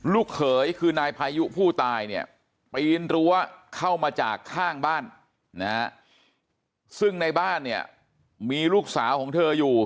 เขยคือนายพายุผู้ตายเนี่ยปีนรั้วเข้ามาจากข้างบ้านนะฮะซึ่งในบ้านเนี่ยมีลูกสาวของเธออยู่